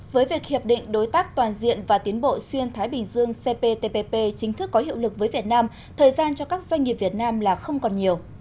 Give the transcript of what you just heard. với việc hiệp định đối tác toàn diện và tiến bộ xuyên thái bình dương cptpp chính thức có hiệu lực với việt nam thời gian cho các doanh nghiệp việt nam là không còn nhiều